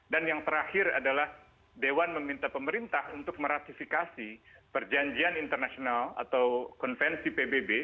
yang terakhir adalah dewan meminta pemerintah untuk meratifikasi perjanjian internasional atau konvensi pbb